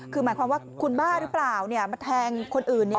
คือหมายความว่าคุณบ้าหรือเปล่ามาแทงคนอื่นเนี่ย